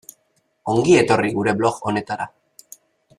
Ongi etorri gure blog honetara.